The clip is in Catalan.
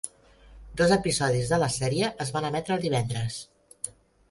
Dos episodis de la sèrie es van emetre el divendres.